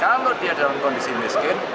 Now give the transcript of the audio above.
kalau dia dalam kondisi miskin